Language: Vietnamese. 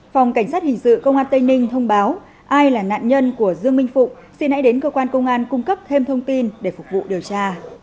phòng cảnh sát hình sự công an tây ninh thông báo ai là nạn nhân của dương minh phụng xin hãy đến cơ quan công an cung cấp thêm thông tin để phục vụ điều tra